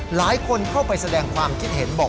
หลายคนเข้าไปแสดงความคิดเห็นบอก